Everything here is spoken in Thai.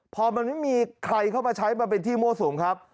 พอมันไม่มีใครเข้ามาใช้มันเป็นที่มั่วสุมครับ